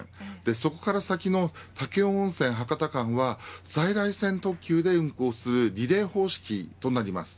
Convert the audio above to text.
そこから先の武雄温泉、博多間は在来線特急で運行するリレー方式となります。